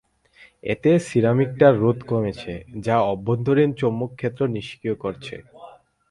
এতে সিরামিকটার রোধ কমছে, যা অভ্যন্তরীণ চৌম্বকক্ষেত্রকে নিষ্ক্রিয় করছে।